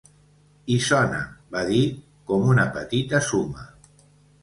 "I sona", va dir, "com una petita suma".